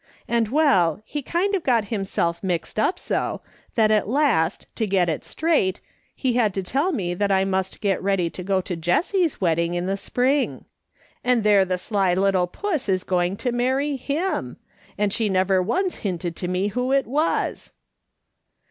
And, well, he kind of got himself mixed up so, that at last, to get out straight, he had to tell me that I must get ready to go to Jessie's wedding in the spring. And there the sly little puss is going to marry him ; and she never once hinted to me who it was